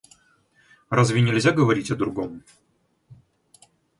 Разве нельзя говорить о другом.